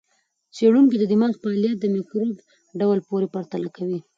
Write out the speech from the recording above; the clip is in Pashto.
څېړونکي د دماغ فعالیت د مایکروب ډول پورې پرتله کوي.